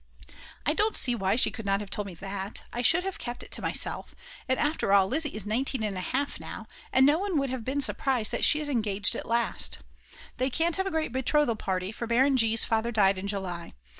I don t see why she could not have told me that, I should have kept it to myself; and after all, Lizzi is 19 1/2 now, and no one would have been surprised that she is engaged at last. They can't have a great betrothal party, for Baron G.'s father died in July.